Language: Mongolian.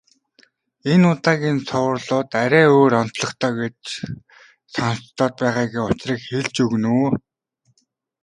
Энэ удаагийн цувралууд арай өөр онцлогтой гэж сонстоод байгаагийн учрыг хэлж өгнө үү.